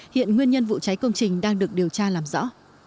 hiện nguyên nhân vụ cháy công trình đang được điều tra làm rõ